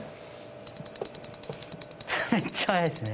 めっちゃ速いっすね。